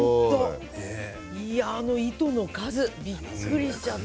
あの糸の数びっくりしちゃった。